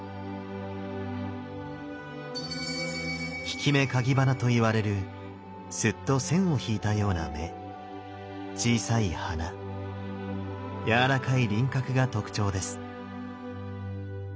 引目鉤鼻と言われるスッと線を引いたような目小さい鼻やわらかい輪郭が特徴です。